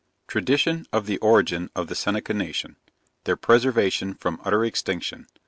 Tradition of the Origin of the Seneca Nation. Their Preservation from utter extinction.